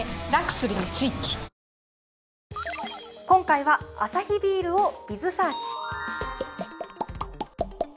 今回はアサヒビールを。